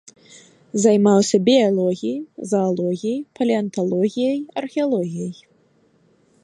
Займаўся біялогіяй, заалогіяй, палеанталогіяй, археалогіяй.